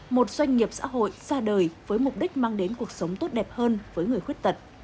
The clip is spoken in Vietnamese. một doanh nghiệp xã hội ra đời với mục đích mang đến cuộc sống tốt đẹp hơn với người khuyết tật